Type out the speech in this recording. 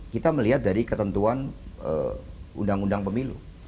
kita melihat dari ketentuan undang undang pemilu